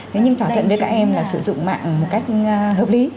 nếu như thỏa thuận với các em là sử dụng mạng một cách hợp lý